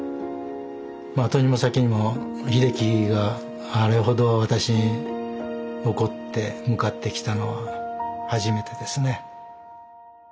後にも先にも秀樹があれほど私に怒って向かってきたのは初めてですね。